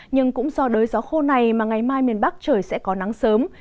nhưng cũng do đới gió khô này mà ngày mai miền bắc trời sẽ có nắng sớm